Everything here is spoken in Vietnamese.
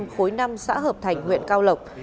khối năm xã hợp thành huyện cao lộc